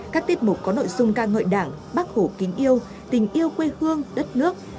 các tiết mục có nội dung ca ngợi đảng bác hồ kính yêu tình yêu quê hương đất nước